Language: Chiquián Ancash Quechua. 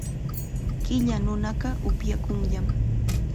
Qilla nunaqa upyakunllam.